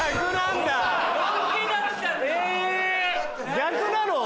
逆なの？